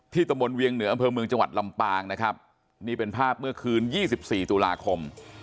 ตะบนเวียงเหนืออำเภอเมืองจังหวัดลำปางนะครับนี่เป็นภาพเมื่อคืน๒๔ตุลาคม